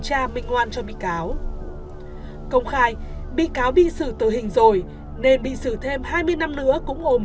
tra minh oan cho bị cáo công khai bị cáo bị xử tử hình rồi nên bị xử thêm hai mươi năm nữa cũng gồm